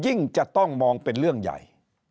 จะต้องมองเป็นเรื่องใหญ่